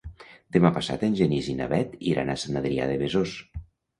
Demà passat en Genís i na Bet iran a Sant Adrià de Besòs.